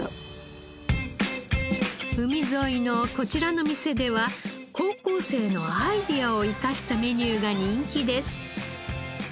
海沿いのこちらの店では高校生のアイデアを生かしたメニューが人気です。